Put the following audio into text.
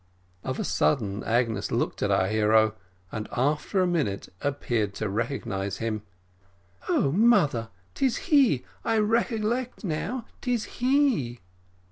Of a sudden Agnes looked at our hero, and after a minute appeared to recognise him. "Oh, mother, 'tis he I recollect now, 'tis he!"